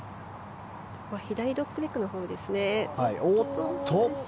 左ドッグレッグのほうですね。